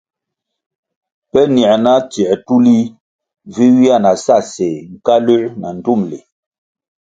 Pe nier na tsier tulih vi ywia na sa séh, nkaluer na ndtumli.